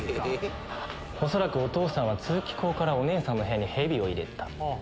恐らくお義父さんは通気口からお姉さんの部屋にヘビを入れた。